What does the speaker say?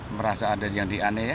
merasa ada yang dianeh ya